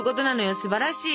すばらしい！